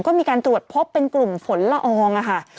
ก็มีการตรวจพบเป็นกลุ่มฝนละอองค่ะ